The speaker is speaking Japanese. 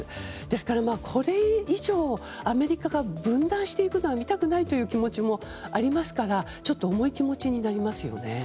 ですから、これ以上アメリカが分断していくのは見たくないという気持ちもありますからちょっと重い気持ちになりますよね。